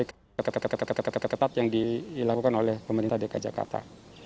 ketat ketat yang dilakukan oleh pemerintah dki jakarta